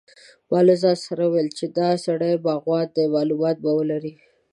ما له ځان سره وویل چې دا سړی باغوان دی معلومات به ولري.